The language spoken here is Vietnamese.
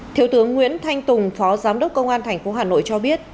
thiếu tướng nguyễn thanh tùng phó giám đốc công an tp hà nội cho biết